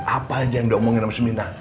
apa aja yang udah omongin sama si mina